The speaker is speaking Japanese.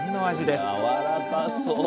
やわらかそう！